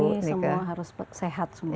hari ini semua harus sehat